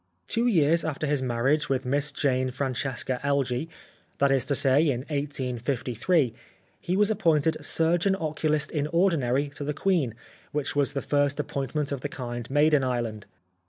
Two years after his marriage with Miss Jane Francesca Elgee, that is to say in 1853, he was appointed Surgeon Oculist in Ordinary to the Queen, which was the first appointment of the kind made in Ireland.